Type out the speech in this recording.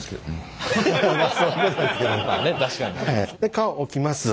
皮を置きます。